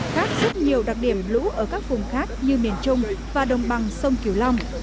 khác rất nhiều đặc điểm lũ ở các vùng khác như miền trung và đồng bằng sông kiều long